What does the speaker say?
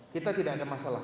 kita tidak ada masalah